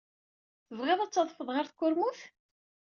Tebɣid ad tadfed ɣer tkurmut?